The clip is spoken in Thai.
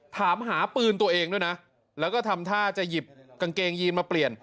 ถามหาปืนตัวเองด้วยนะแล้วก็ทำท่าจะหยิบกางเกงยีนมาเปลี่ยน